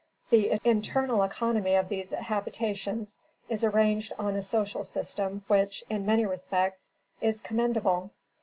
The internal economy of these habitations is arranged on a social system which, in many respects, is commendable.